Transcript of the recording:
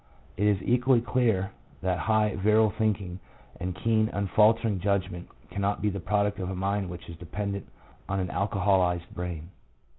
1 It is equally clear that high, virile thinking, and keen, unfaltering judgment cannot be the product of a mind which is dependent on an alcoholized brain.